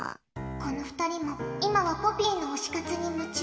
この２人も今はポピーの推し活に夢中。